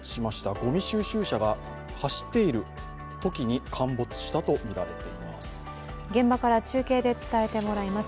ごみ収集車が走っているときに陥没したとみられています。